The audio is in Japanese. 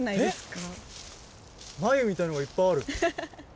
えっ繭みたいのがいっぱいある！